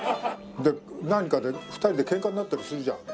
で何かで２人でケンカになったりするじゃん。